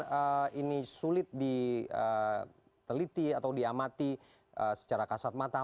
apakah ini sulit diteliti atau diamati secara kasat mata